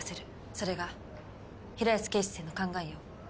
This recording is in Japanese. それが平安警視正の考えよ。